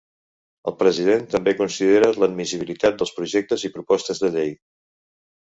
El President també considera l'admissibilitat dels projectes i propostes de llei.